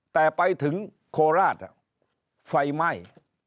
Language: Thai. แต่ไปถึงโคราชไฟไหม้